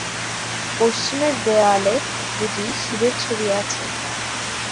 পশ্চিমের দেওয়ালে দুটি শিবের ছবি আছে।